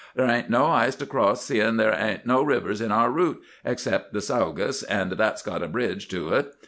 'Ther' ain't no ice to cross, seein's ther' ain't no rivers in our rowt, exceptin' the Siegus, an' that's got a bridge to it.